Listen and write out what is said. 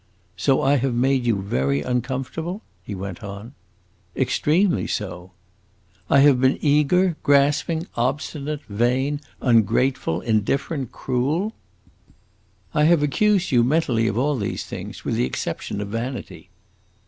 "So I have made you very uncomfortable?" he went on. "Extremely so." "I have been eager, grasping, obstinate, vain, ungrateful, indifferent, cruel?" "I have accused you, mentally, of all these things, with the exception of vanity."